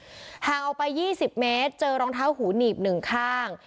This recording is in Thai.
ห่างเอาไป๒๐เมตรเจอรองเท้าหูนีบ๑ข้าง